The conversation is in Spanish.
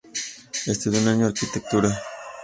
Estudió un año arquitectura.